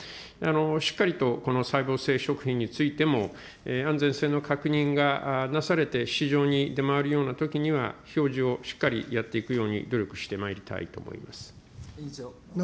しっかりとこの細胞性食品についても、安全性の確認がなされて市場に出回るようなときには、表示をしっかりやっていくように努力してまいりたいと思います。